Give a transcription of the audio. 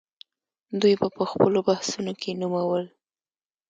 دوی به په خپلو بحثونو کې نومول.